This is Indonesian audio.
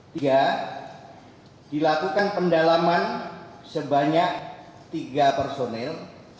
tiga dilakukan pendalaman sebanyak tiga personil